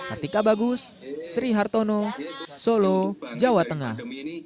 artika bagus sri hartono solo jawa tengah